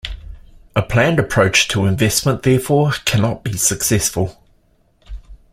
A planned approach to investment, therefore, cannot be successful.